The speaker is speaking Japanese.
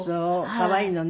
可愛いのね。